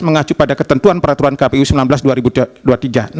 mengacu pada ketentuan peraturan kpu sembilan belas dua ribu dua puluh tiga